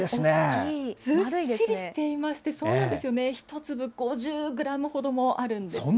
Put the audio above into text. ずっしりしていまして、そうなんですよね、１粒５０グラムほどもあるんですね。